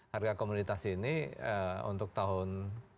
harga komoditas ini untuk tahun dua ribu tujuh belas